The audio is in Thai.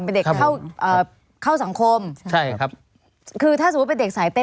เป็นเด็กเข้าอ่าเข้าเข้าสังคมใช่ครับคือถ้าสมมุติเป็นเด็กสายเต้น